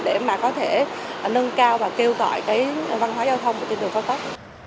để có thể nâng cao và kêu gọi văn hóa giao thông trên đường cao tốc